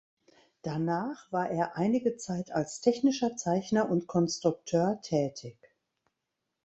Danach war er einige Zeit als technischer Zeichner und Konstrukteur tätig.